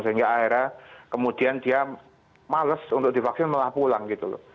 sehingga akhirnya kemudian dia males untuk divaksin malah pulang gitu loh